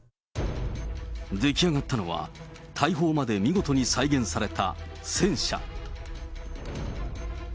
出来上がったのは大砲まで見事に再現された戦車。